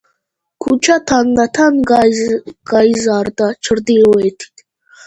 ქუჩა თანდათან გაიზარდა ჩრდილოეთით.